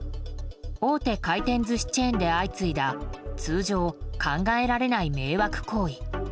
大手回転寿司チェーンで相次いだ通常、考えられない迷惑行為。